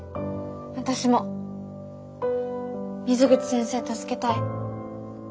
私も水口先生助けたい。